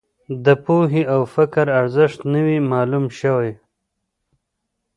د پوهې او فکر ارزښت نه وي معلوم شوی.